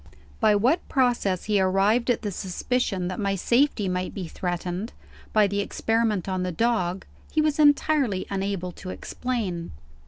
By what process he arrived at the suspicion that my safety might be threatened, by the experiment on the dog, he was entirely unable to explain.